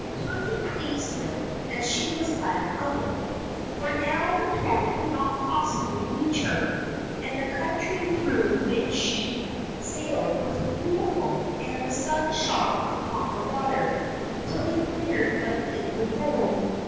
Tiny pleased him, and she was glad of it, for now the toad could not possibly reach her, and the country through which she sailed was beautiful, and the sun shone upon the water, till it glittered like liquid gold.